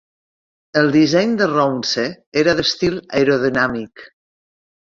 El disseny de Rowse era d'estil aerodinàmic.